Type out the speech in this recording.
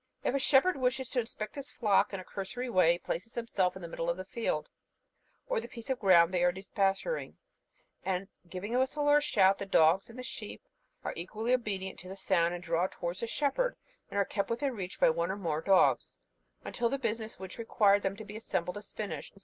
If a shepherd wishes to inspect his flock in a cursory way, he places himself in the middle of the field, or the piece of ground they are depasturing, and giving a whistle or a shout, the dogs and the sheep are equally obedient to the sound, and draw towards the shepherd, and are kept within reach by one or more dogs, until the business which required them to be assembled is finished.